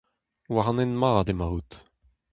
War an hent mat emaout.